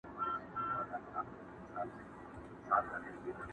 دا سړی چي درته ځیر دی مخامخ په آیینه کي،